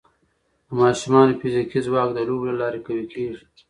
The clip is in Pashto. د ماشومانو فزیکي ځواک د لوبو له لارې قوي کېږي.